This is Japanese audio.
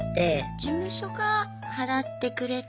事務所が払ってくれて。